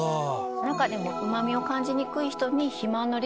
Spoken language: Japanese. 中でも。